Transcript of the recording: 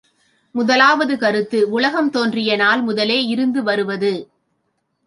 முதலாவது கருத்து, உலகம் தோன்றிய நாள் முதலே இருந்து வருவது.